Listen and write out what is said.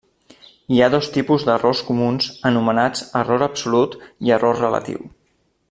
Hi ha dos tipus d'errors comuns anomenats error absolut i error relatiu.